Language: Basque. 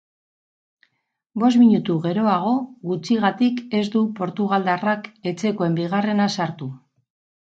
Bost minutu geroago, gutxigatik ez du portugaldarrak etxekoen bigarrena sartu.